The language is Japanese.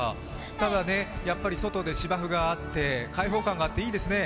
ただね、やっぱり外で芝生があって開放感があっていいですね。